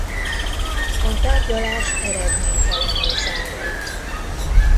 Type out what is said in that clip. A tárgyalás eredménytelenül zárult.